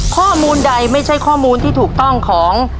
ข้อมูลใดไม่ใช่ข้อมูลที่ถูกต้องของ